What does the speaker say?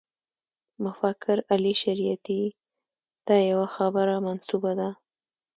مفکر علي شریعیتي ته یوه خبره منسوبه ده.